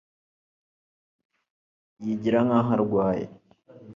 Yigira nkaho arwaye